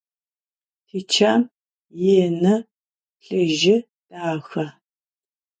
Tiçem yinı, plhıjı, daxe.